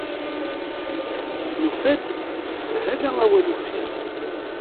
Nufa-d s sshala awal uffir.